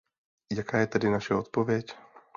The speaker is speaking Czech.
Jaká je tedy naše odpověď?